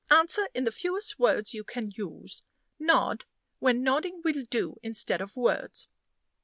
Answer in the fewest words you can use. Nod when nodding will do instead of words."